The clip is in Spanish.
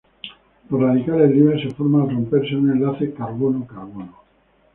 Los radicales libres se forman al romperse un enlace carbono-carbono.